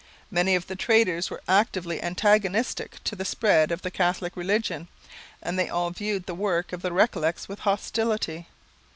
Many of the traders were actively antagonistic to the spread of the Catholic religion and they all viewed the work of the Recollets with hostility.